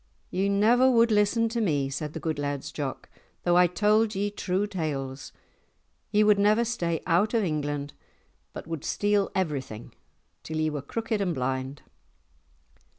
"Ye never would listen to me," said the good Laird's Jock, "though I told ye true tales. Ye would never stay out of England but would steal everything, till ye were crooked and blind."